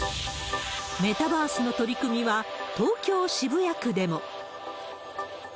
メタバースの取り組みは、東京・渋谷区でも。